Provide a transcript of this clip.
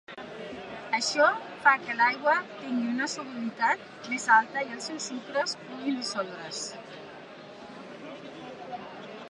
Això fa que l'aigua tingui una solubilitat més alta i els sucres puguin dissoldre’s.